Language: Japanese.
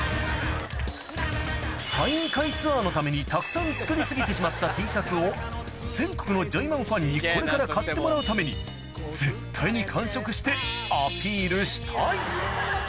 サイン会ツアーのためにたくさん作り過ぎてしまったＴシャツを全国のジョイマンファンにこれから買ってもらうために絶対に完食してアピールしたい！